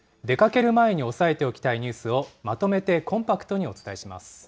出かける前に押さえておきたいニュースを、まとめてコンパクトにお伝えします。